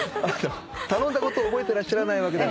頼んだことを覚えてらっしゃらないわけだから。